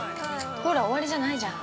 ◆ほら、終わりじゃないじゃん。